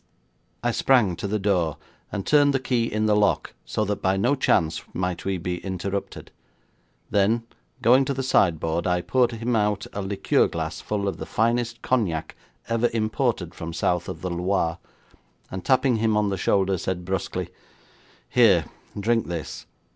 I sprang to the door, and turned the key in the lock so that by no chance might we be interrupted; then, going to the sideboard, I poured him out a liqueur glass full of the finest Cognac ever imported from south of the Loire, and tapping him on the shoulder, said brusquely: 'Here, drink this.